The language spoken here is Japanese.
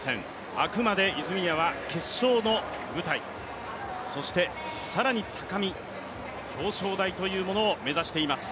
あくまで泉谷は決勝の舞台、そして更に高み、表彰台というものを目指しています。